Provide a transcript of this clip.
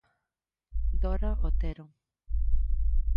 Dora Otero.